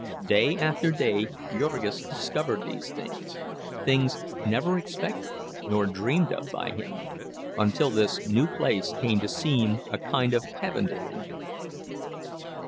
Day after day Jurgis discovered these things—things never expected nor dreamed of by him—until this new place came to seem a kind of a heaven to him.